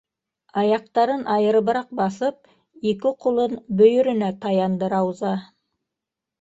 Аяҡтарын айырыбыраҡ баҫып, ике ҡулын бөйөрөнә таянды Рауза: